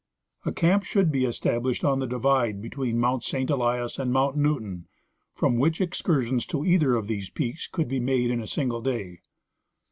A camp should be established on the divide between Mount St. Elias and Mount Newton, from which excursions to either of these peaks could be made in a single day.